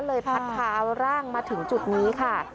เลยพัดพาร่างมาถึงจุดนี้ค่ะ